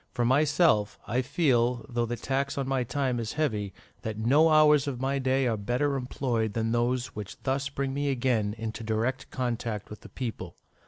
For myself, I feel, though the tax on my time is heavy, that no hours of my day are better employed than those which thus bring me again into direct contact with the people.